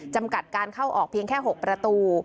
จำกัดการเข้าออกเพียงแค่๖ประตู